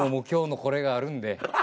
今日のこれがあるんで。